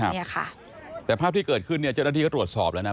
เนี่ยค่ะแต่ภาพที่เกิดขึ้นเนี่ยเจ้าหน้าที่ก็ตรวจสอบแล้วนะ